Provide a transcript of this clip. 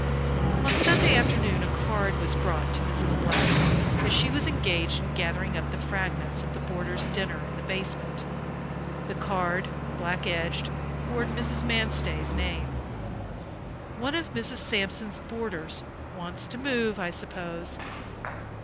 On Sunday afternoon a card was brought to Mrs. Black, as she was engaged in gathering up the fragments of the boarders' dinner in the basement. The card, black edged, bore Mrs. Manstey's name. "One of Mrs. Sampson's boarders; wants to move, I suppose.